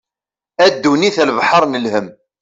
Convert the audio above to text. A ddunit a lebḥer n lhem.